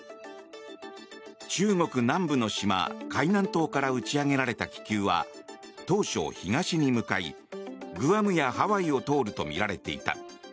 中国南部の島、海南島から打ち上げられた気球は当初、東に向かいグアムやハワイを通るとみられていた。